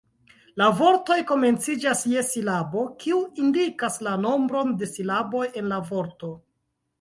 La vortoj komenciĝas je silabo, kiu indikas la nombron de silaboj en la vorto.